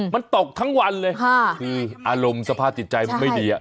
มันตกทั้งวันเลยคืออารมณ์สภาพจิตใจมันไม่ดี